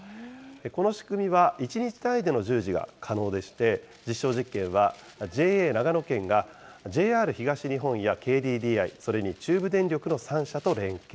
この仕組みは１日単位での従事が可能でして、実証実験はＪＡ長野県がＪＲ東日本やＫＤＤＩ、それに中部電力の３社と連携。